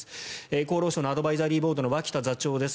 厚労省のアドバイザリーボードの脇田座長です。